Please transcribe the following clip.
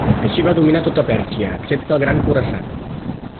Així va dominar tota Pèrsia excepte el Gran Khorasan.